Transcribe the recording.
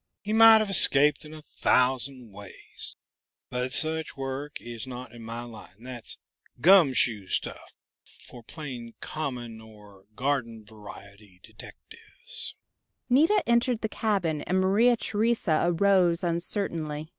"He might have escaped in a thousand ways. But such work is not in my line: that's 'gum shoe' stuff for plain common or garden detectives." Nita entered the cabin, and Maria Theresa arose uncertainly.